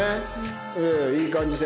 いい感じで。